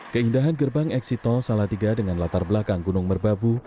keindahan gerbang eksit tol salatiga dengan latar belakang gunung merbabu